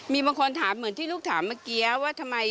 มีบางคนถามเหมือนที่ลูกถามเมื่อกี้ว่าทำไม